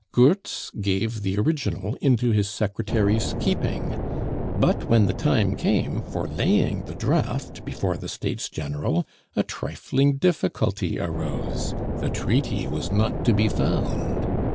Goertz gave the original into his secretary's keeping; but when the time came for laying the draft before the States General, a trifling difficulty arose; the treaty was not to be found.